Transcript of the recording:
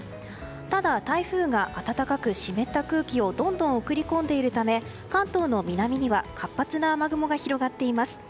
ただ、台風が暖かく湿った空気をどんどん送り込んでいるため関東の南には活発な雨雲が広がっています。